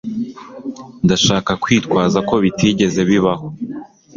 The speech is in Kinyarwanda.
Ndashaka kwitwaza ko bitigeze bibaho